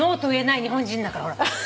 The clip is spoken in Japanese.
ＮＯと言えない日本人だから。